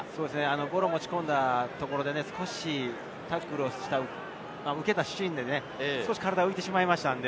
ボールを持ち込んだところで少しタックルをした、受けたシーンで体が浮いてしまいました。